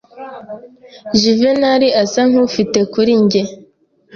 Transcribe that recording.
Juvenali asa nkufite kuri njye.